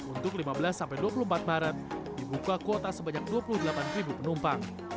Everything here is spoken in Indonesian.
untuk lima belas dua puluh empat maret dibuka kuota sebanyak dua puluh delapan penumpang